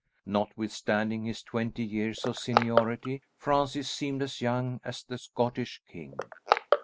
Notwithstanding his twenty years of seniority Francis seemed as young as the Scottish king.